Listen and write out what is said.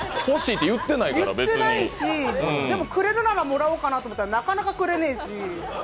欲しいって言ってないし、くれるならもらおうかなと思ったらなかなかくれねぇし。